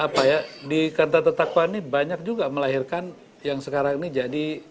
apa ya di kanta kanta takwa ini banyak juga melahirkan yang sekarang ini jadi